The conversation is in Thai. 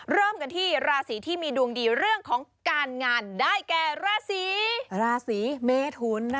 เริ่มกันที่ราศีที่มีดวงดีเรื่องของการงานได้แก่ราศีราศีเมทุน